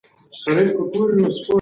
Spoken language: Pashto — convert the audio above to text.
ستورپوهنه لومړنی جلا سوی علم و.